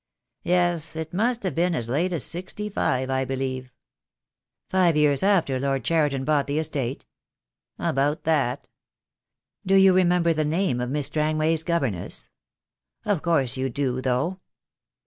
Yes, it must have been as late as sixty five, I believe." THE DAY WILL COME. I 73 "Five years after Lord Cheriton bought the estate?" "About that." "Do you remember the name of Miss Strangway's governess? Of course, you do, though."